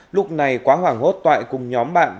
lúc này quá hoảng hốt toại cùng nhóm bạn